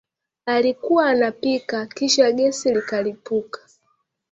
Alikuwa anapika kisha gesi likalipuka